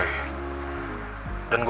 karena lo selalu ngusir gue